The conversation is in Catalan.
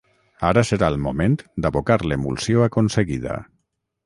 Ara serà el moment d'abocar l'emulsió aconseguida